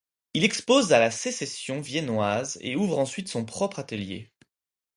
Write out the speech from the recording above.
Il expose à la Sécession viennoise et ouvre ensuite son propre atelier.